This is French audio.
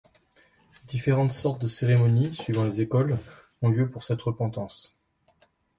Différentes sortes de cérémonies, suivant les écoles, ont lieu pour cette repentance.